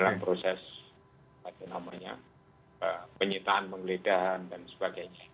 dalam proses penyitaan penggeledahan dan sebagainya